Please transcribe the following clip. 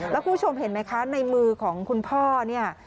แล้วคุณผู้ชมเห็นไหมคะในมือของคุณพ่อเนี่ย